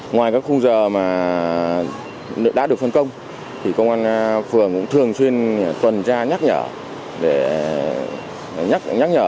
ngoài các khung giờ đã được phân công công an phường cũng thường xuyên tuần tra nhắc nhở